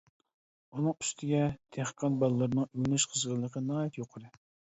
ئۇنىڭ ئۈستىگە دېھقان بالىلىرىنىڭ ئۆگىنىش قىزغىنلىقى ناھايىتى يۇقىرى.